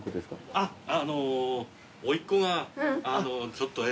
あっあのうおいっ子がちょっとええ。